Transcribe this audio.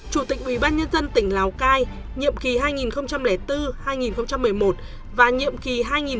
chủ tịch ubnd tỉnh lào cai nhiệm kỳ hai nghìn bốn hai nghìn một mươi một và nhiệm kỳ hai nghìn một mươi sáu hai nghìn một mươi một